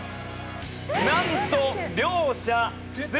なんと両者不正解。